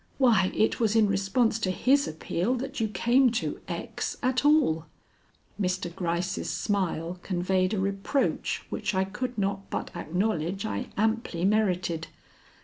Why, it was in response to his appeal that you came to X. at all." Mr. Gryce's smile conveyed a reproach which I could not but acknowledge I amply merited.